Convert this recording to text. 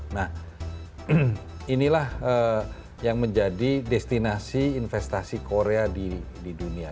nah inilah yang menjadi destinasi investasi korea di dunia